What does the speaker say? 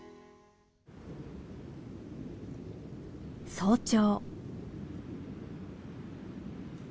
早朝。